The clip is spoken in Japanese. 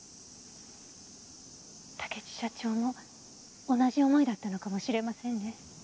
竹地社長も同じ思いだったのかもしれませんね。